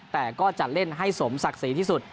แต่ก็จะเล่นให้สมศักดิ์ศรีที่สุด